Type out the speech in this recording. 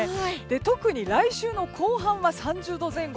特に来週の後半は３０度前後。